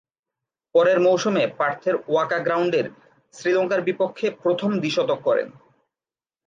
পরের মৌসুমে পার্থের ওয়াকা গ্রাউন্ডের শ্রীলঙ্কার বিপক্ষে প্রথম দ্বি-শতক করেন।